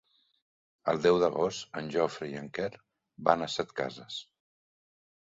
El deu d'agost en Jofre i en Quer van a Setcases.